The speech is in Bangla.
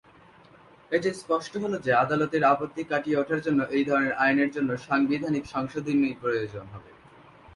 এটা স্পষ্ট হল যে, আদালতের আপত্তি কাটিয়ে ওঠার জন্য এই ধরনের আইনের জন্য সাংবিধানিক সংশোধনী প্রয়োজন হবে।